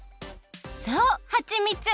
そうはちみつ！